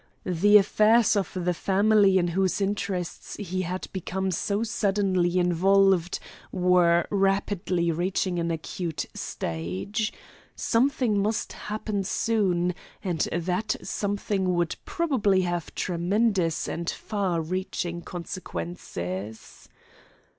The affairs of the family in whose interests he had become so suddenly involved were rapidly reaching an acute stage. Something must happen soon, and that something would probably have tremendous and far reaching consequences.